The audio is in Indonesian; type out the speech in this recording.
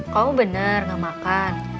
kamu bener gak makan